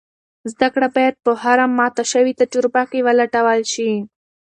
زده کړه باید په هره ماته شوې تجربه کې ولټول شي.